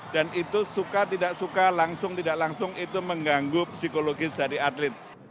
dan itu suka tidak suka langsung tidak langsung itu mengganggu psikologi sehari atlet